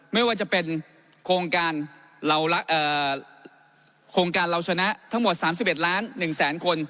ไม่ว่าจะเป็นโครงการโครงการเราชนะทั้งหมด๓๑ล้าน๑แสนคน